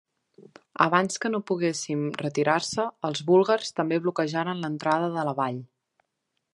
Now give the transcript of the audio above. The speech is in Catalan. Abans que no poguessin retirar-se, els búlgars també bloquejaren l'entrada de la vall.